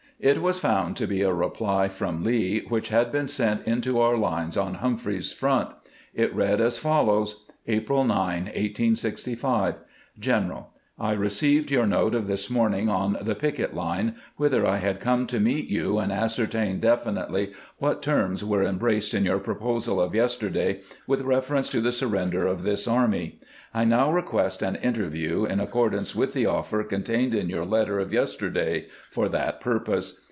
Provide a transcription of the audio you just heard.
It was found to be a reply from Lee, which had been sent into our lines on Humphreys's front. It read as follows : April 9, 1865. General : I received your note of this morning on the picket line, whither I had come to meet you and ascertain definitely what terms were embraced in your proposal of yesterday with reference to the surrender of this army. I now request an 466 grant's EIDE to APPOMATTOX 467 interview, in accordance with the offer contained in your letter of yesterday, for that purpose.